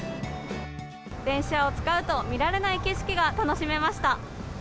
電車を使うと見られない景色が楽しめました。